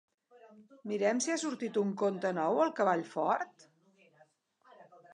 Mirem si ha sortit un conte nou al Cavall Fort?